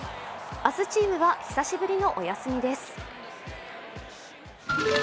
明日、チームは久しぶりのお休みです。